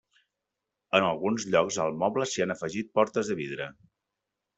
En alguns llocs al moble s'hi han afegit portes de vidre.